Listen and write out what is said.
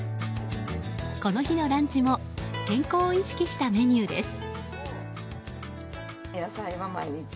この日のランチも健康を意識したメニューです。